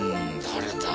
誰だ？